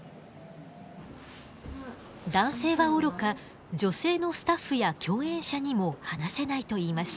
男性はおろか女性のスタッフや共演者にも話せないといいます。